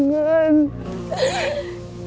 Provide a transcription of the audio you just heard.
banyak banget tangan